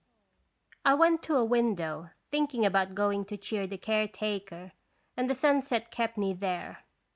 I went to a window, thinking about going to cheer the care taker, and the sunset kept me there.